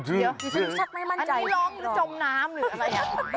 เดี๋ยวฉันไม่ร้องหรือจมน้ำหรืออะไร